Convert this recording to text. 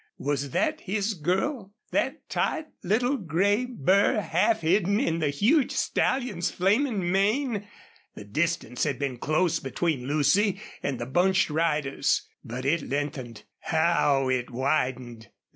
Was that his girl that tight little gray burr half hidden in the huge stallion's flaming mane? The distance had been close between Lucy and the bunched riders. But it lengthened. How it widened!